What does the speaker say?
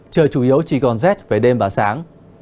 trời chủ yếu chỉ còn rét về đêm và sáng